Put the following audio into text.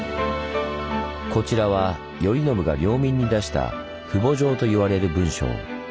こちらは頼宣が領民に出した「父母状」と言われる文章。